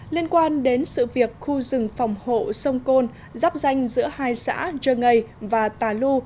liên quan đến sự việc khu rừng phòng hộ sông côn giáp danh giữa hai xã dơ ngây và tà lu